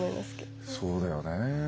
そうだよね。